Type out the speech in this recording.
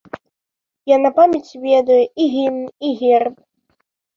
Я на памяць ведаю і гімн, і герб.